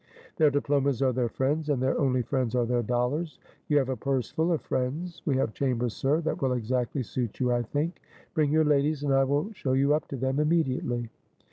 Their diplomas are their friends; and their only friends are their dollars; you have a purse full of friends. We have chambers, sir, that will exactly suit you, I think. Bring your ladies and I will show you up to them immediately."